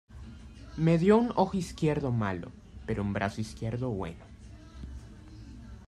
Me dio un ojo izquierdo malo pero un brazo izquierdo bueno".